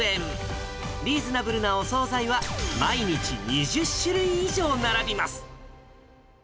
リーズナブルなお総菜は、毎日２０種類以上並びます。